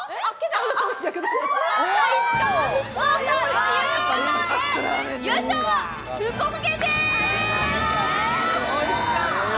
ということで、優勝は福岡県です！